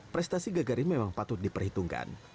prestasi gagarin memang patut diperhitungkan